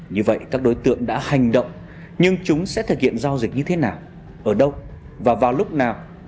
như vậy các đối tượng đã hành động nhưng chúng sẽ thực hiện giao dịch như thế nào ở đâu và vào lúc nào